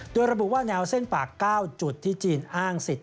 โดยระบุว่าแนวเส้นปาก๙จุดที่จีนอ้างสิทธิ